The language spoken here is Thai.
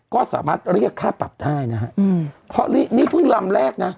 ก็สามารถเรียกค่าปรับได้นะฮะอืมเพราะนี่เพิ่งลำแรกนะ